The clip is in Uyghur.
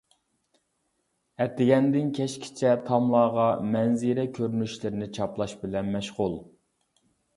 ئەتىگەندىن كەچكىچە تاملارغا مەنزىرە كۆرۈنۈشلىرىنى چاپلاش بىلەن مەشغۇل.